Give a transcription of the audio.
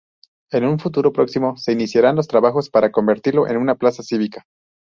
En un futuro próximo se iniciarán los trabajos para convertirlo en una plaza cívica.